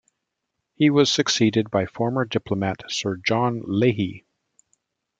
He was succeeded by former diplomat Sir John Leahy.